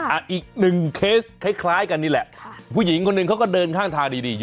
อ่ะอีกหนึ่งเคสคล้ายคล้ายกันนี่แหละค่ะผู้หญิงคนหนึ่งเขาก็เดินข้างทางดีดี